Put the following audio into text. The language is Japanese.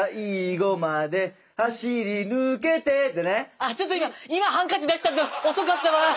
ああちょっと今ハンカチ出したんじゃ遅かったわ！